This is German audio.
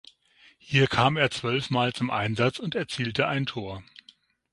Hier kam er zwölf Mal zum Einsatz und erzielte ein Tor.